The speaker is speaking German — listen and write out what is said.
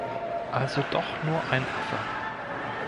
Also doch nur ein Affe.